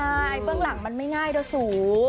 ใช่เบื้องหลังมันไม่ง่ายโดยสู